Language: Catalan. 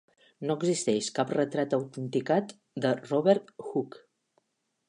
No existeix cap retrat autenticat de Robert Hooke.